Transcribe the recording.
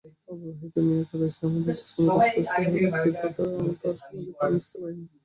অবিবাহিতা মেয়ে এদেশে আমাদের দেশের মত সুরক্ষিতা, তারা সমাজে প্রায় মিশতে পায় না।